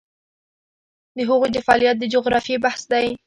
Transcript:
د هغوی د فعالیت د جغرافیې بحث دی.